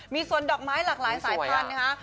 มีส่วนดอกไม้หลากหลายสายพันธุ์นะคะ